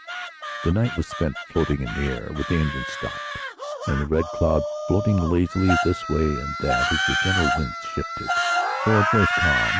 The night was spent floating in the air, with the engine stopped, and the Red Cloud floating lazily this way and that as the gentle winds shifted, for it was calm.